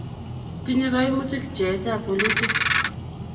tinyei kaimutik pcheetab bolutik